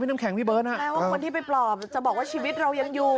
พี่น้ำแข็งพี่เบิ้ลฮะแล้วคนที่ไปปลอบจะบอกว่าชีวิตเรายังอยู่